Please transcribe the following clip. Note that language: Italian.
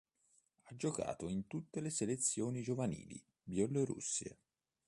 Ha giocato in tutte le selezioni giovanili bielorusse.